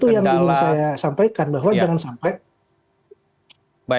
itu yang ingin saya sampaikan bahwa jangan sampai